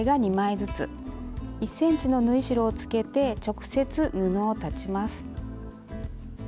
１ｃｍの縫い代をつけて直接布を裁ちます。